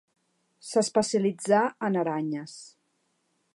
S'especialitzà en aranyes.